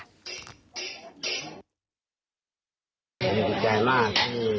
ดีใจมาก